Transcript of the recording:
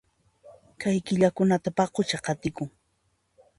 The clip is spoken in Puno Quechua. Kay killakunata paqucha qatikun